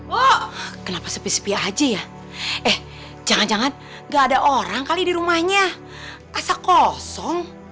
bu kenapa sepi sepi aja ya eh jangan jangan enggak ada orang kali di rumahnya asa kosong